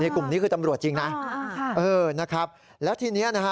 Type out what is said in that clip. กลุ่มนี้คือตำรวจจริงนะเออนะครับแล้วทีนี้นะฮะ